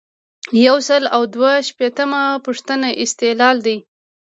یو سل او دوه شپیتمه پوښتنه استعلام دی.